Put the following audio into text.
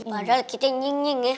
padahal kita nyinying ya